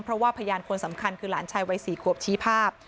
เพราะว่าพยานคนสำคัญคือหลานชายวัย๔ขวบชี้ภาพ